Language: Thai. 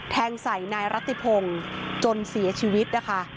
แทงใส่นายรัติพงศ์จนเสียชีวิตนะคะ